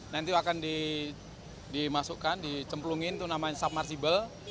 nanti akan dimasukkan dicemplungin itu namanya submersible